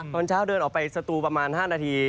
ตอนเช้าเดินออกไปสตูประมาณ๕นาที